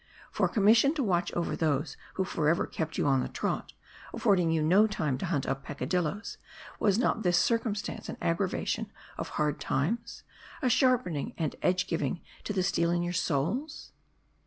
For, com missioned to watch over those who forever kept you on the trot, affording you no time to hunt up peccadilloes ; was not this circumstance an aggravation of hard times ? a sharpening and edge giving to the steel in your souls